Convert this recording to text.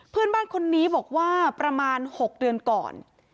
เพื่อนบ้านคนนี้บอกว่าประมาณ๖เดือนก่อน